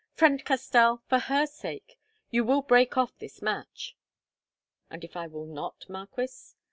"Friend Castell, for her sake you will break off this match." "And if I will not, Marquis?"